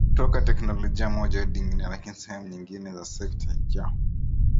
kutoka teknolojia moja hadi nyingine lakini sehemu nyingine za sekta ya